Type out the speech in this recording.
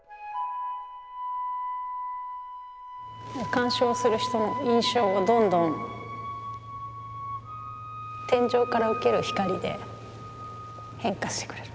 鑑賞する人の印象がどんどん天井から受ける光で変化してくれる。